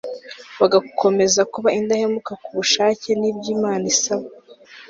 bagakomeza kuba indahemuka ku bushake n'ibyo imana isaba